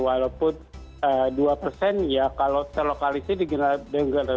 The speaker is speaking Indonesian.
walaupun dua persen ya kalau terlokalisir di negara negara